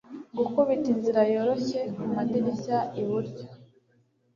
Gukubita inzira yoroshye kumadirishya iburyo